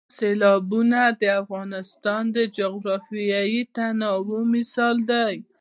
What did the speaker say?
سیلابونه د افغانستان د جغرافیوي تنوع مثال دی.